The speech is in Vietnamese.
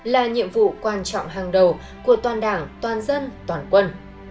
là nhiệm vụ quan trọng hàng đầu của toàn đảng toàn dân toàn quân